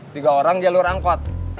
tiga orang jalur angkot